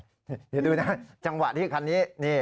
เดี๋ยวดูนะจังหวะที่คันนี้นี่